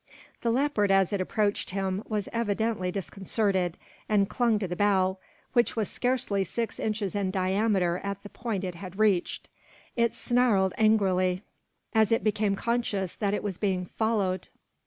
The leopard, as it approached him, was evidently disconcerted; and clung to the bough, which was scarcely six inches in diameter at the point it had reached. It snarled angrily, as it became conscious that it was being followed.